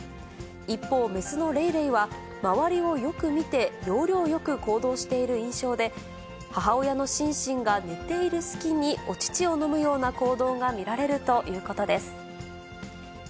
一方、雌のレイレイは、周りをよく見て要領よく行動している印象で、母親のシンシンが寝ている隙にお乳を飲むような行動が見られるということです。